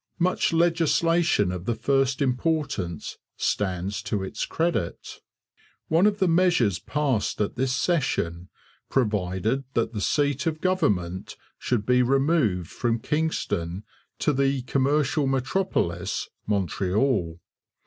Much legislation of the first importance stands to its credit. One of the measures passed at this session provided that the seat of government should be removed from Kingston to the commercial metropolis, Montreal.